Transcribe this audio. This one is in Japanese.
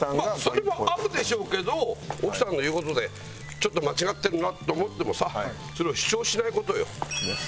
それもあるでしょうけど奥さんの言う事でちょっと間違ってるなって思ってもさそれを主張しない事よ。